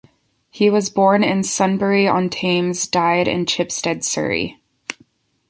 He was born in Sunbury-on-Thames; died in Chipstead, Surrey.